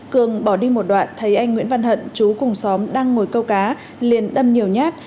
cường bỏ đi một đoạn thấy anh nguyễn văn hận chú cùng xóm đang ngồi câu cá liền đâm nhiều nhát